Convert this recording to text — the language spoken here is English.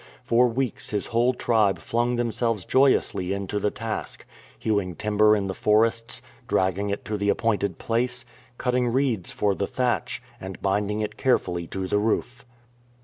For weeks his whole tribe flung themselves joyously into the task — hewing timber in the forests, dragging it to the appointed place, cutting reeds for the thatch, and binding it carefully to the roof.